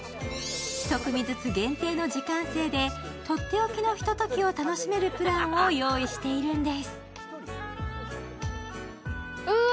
１組ずつ限定の時間制でとっておきのひとときを楽しめるプランを用意しているんです。